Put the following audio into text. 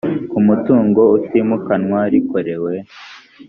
ku mutungo utimukanwa rikorewe